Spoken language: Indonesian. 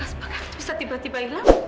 luka sebakar itu bisa tiba tiba hilang